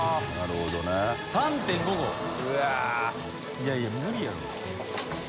いやいや無理やろ。